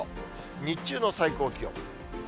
日中の最高気温。